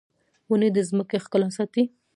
ونې د ځمکې ښکلا ساتي